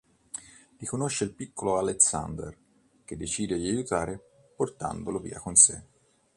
Lì conosce il piccolo Alexander, che decide di aiutare, portandolo via con sé.